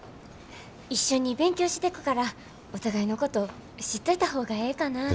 一緒に勉強してくからお互いのこと知っといた方がええかなって。